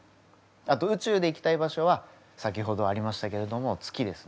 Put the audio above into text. あと宇宙で行きたい場所は先ほどありましたけれども月ですね。